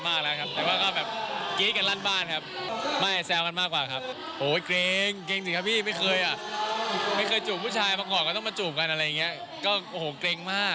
เพราะวันแรกจำได้ว่านั่งดูกับคุณพ่อคุณป้า